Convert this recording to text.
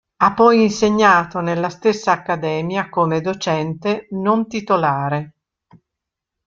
Ha poi insegnato nella stessa Accademia come docente non titolare.